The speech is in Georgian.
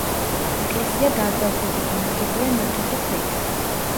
ეკლესია დარბაზულია, ნაგებია ნატეხი ქვით.